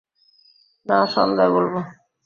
না, সন্ধ্যায় বলব।